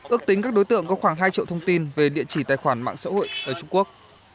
ước tính các đối tượng có khoảng hai triệu thông tin về địa chỉ tài khoản mạng xã hội ở trung quốc